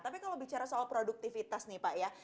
tapi kalau bicara soal produktivitas nih pak ya